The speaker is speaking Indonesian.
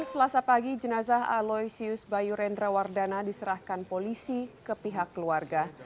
selasa pagi jenazah aloysius bayu rendrawardana diserahkan polisi ke pihak keluarga